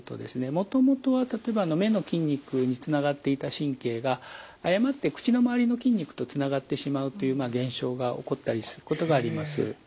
もともとは例えば目の筋肉につながっていた神経が誤って口の周りの筋肉とつながってしまうという現象が起こったりすることがあります。